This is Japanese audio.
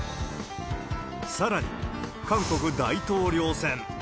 さらに韓国大統領選。